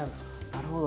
なるほど。